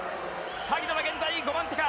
萩野、現在５番手か。